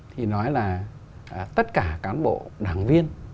thì nói là tất cả cán bộ đảng viên